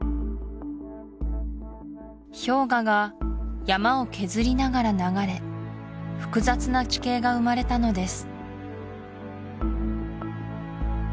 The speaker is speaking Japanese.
氷河が山を削りながら流れ複雑な地形が生まれたのです